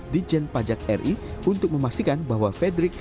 di jendel pajak ri untuk memastikan bahwa frederick